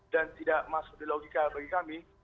dan tidak masuk di logika bagi kami